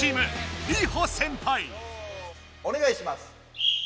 おねがいします。